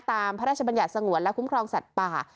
พระราชบัญญัติสงวนและคุ้มครองสัตว์ป่า